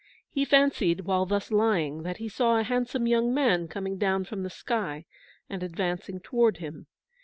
He fancied, while thus lying, that he saw a handsome young man coming down from the sky and advancing toward him.